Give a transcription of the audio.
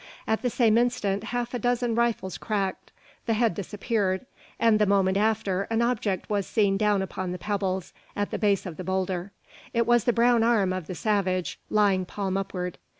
At the same instant half a dozen rifles cracked; the head disappeared; and, the moment after, an object was seen down upon the pebbles, at the base of the boulder. It was the brown arm of the savage, lying palm upward.